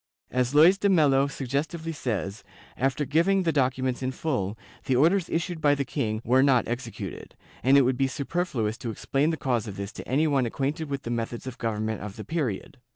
As Luys de Melo suggestively says, after giving the documents in full, the orders issued by the king were not exe cuted, and it would be superfluous to explain the cause of this to any one acquainted with the methods of government of the period.